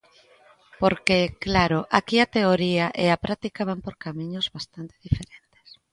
Porque, claro, aquí a teoría e a práctica van por camiños bastante diferentes.